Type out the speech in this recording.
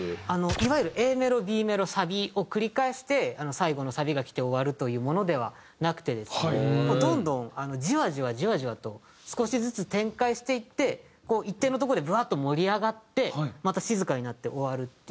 いわゆるＡメロＢメロサビを繰り返して最後のサビがきて終わるというものではなくてですねどんどんじわじわじわじわと少しずつ展開していって一定のとこでブワッと盛り上がってまた静かになって終わるっていう。